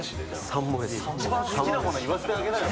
一番好きなもの言わせてあげなよ。